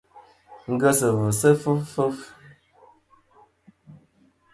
Ngèsɨ-vɨ sɨ fɨf fɨf.